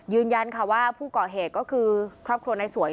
ยืนยันค่ะว่าผู้ก่อเหตุก็คือครอบครัวนายสวย